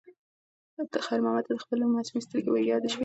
خیر محمد ته د خپلې لور معصومې سترګې ور په یاد شوې.